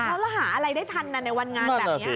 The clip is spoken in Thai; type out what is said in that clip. แล้วเราหาอะไรได้ทันในวันงานแบบนี้